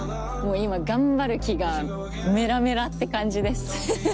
今頑張る気がメラメラって感じですフフフ。